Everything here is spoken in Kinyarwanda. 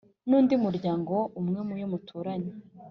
nundi muryango umwe mu yo muturanye